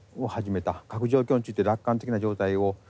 核状況について楽観的な状態を持ち始めた。